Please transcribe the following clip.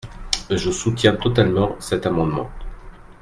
Je soutiens totalement cet amendement.